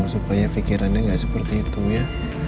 supaya fikirannya gak seperti itu ya